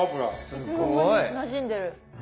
いつの間になじんでる。